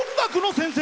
先生！